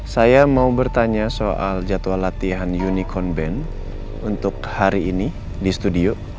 saya mau bertanya soal jadwal latihan unicorn band untuk hari ini di studio